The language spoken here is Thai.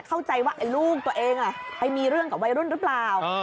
เข้าใจว่าลูกตัวเองไปมีเรื่องกับวัยรุ่นหรือเปล่า